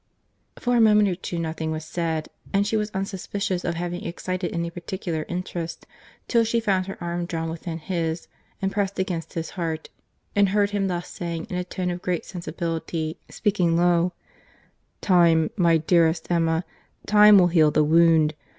For a moment or two nothing was said, and she was unsuspicious of having excited any particular interest, till she found her arm drawn within his, and pressed against his heart, and heard him thus saying, in a tone of great sensibility, speaking low, "Time, my dearest Emma, time will heal the wound.